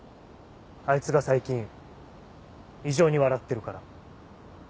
あいつが最近異常に笑ってるから。